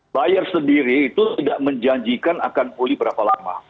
buyer sendiri itu tidak menjanjikan akan pulih berapa lama